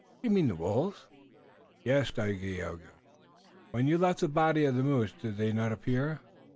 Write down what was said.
"You mean the wolves?" "Yes, Dagaeoga. When you left the body of the moose did they not appear?"